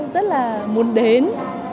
rất là muốn đến